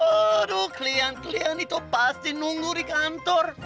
aduh kalian kalian itu pasti nunggu di kantor